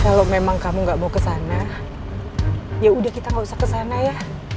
kalau memang kamu gak mau kesana yaudah kita gak usah kesana ya